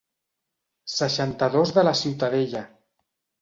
Seixanta-dos de la Ciutadella.